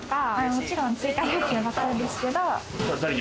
もちろん追加料金はかかるんですけれども。